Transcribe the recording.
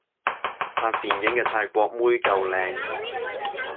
拍電影嘅泰國妹夠靚